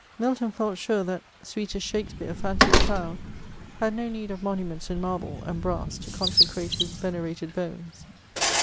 Milton felt sure that *' Sweetest Shakspeare, Fanc/s Child," had no need of monuments ia marble and brass to consecrate his venerated bones.